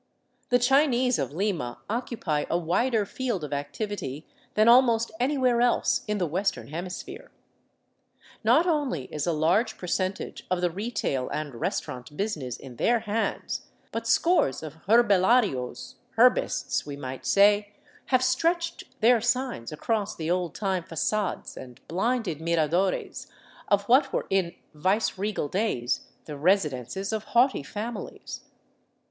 The Chinese of Lima occupy a wider field of activity than almost anywhere else in the Western hemisphere. Not only is a large percentage of the retail and restaurant business in their hands, but scores of herbolarios, " herbists," we might say, have stretched their signs across the old time facades and blinded miradores of what were in viceregal days the residences of haughty families.